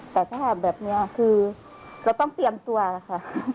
แต่ถ้าแบบนี้คือเราต้องเตรียมตัวแล้วค่ะ